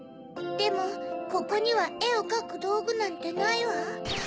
でもここにはえをかくどうぐなんてないわ。